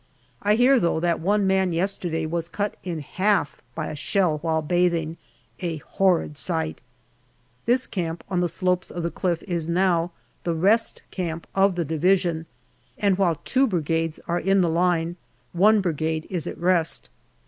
I hear, though, that one man yesterday was cut in half by a shell while bathing. A horrid sight ! This camp on the slopes of the cliff is now the Rest Camp of the Division, and while two Brigades are in the line, one Brigade is at rest.